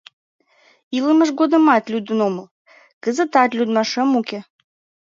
Илымыж годымат лӱдын омыл, кызытат лӱдмашем уке.